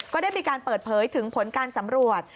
ก็ได้มีการเปิดเผยถึงผลการสำรวจ